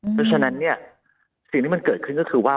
เพราะฉะนั้นเนี่ยสิ่งที่มันเกิดขึ้นก็คือว่า